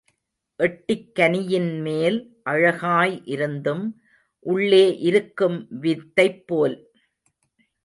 எட்டிக் கனியின்மேல் அழகாய் இருந்தும் உள்ளே இருக்கும் வித்தைப் போல்.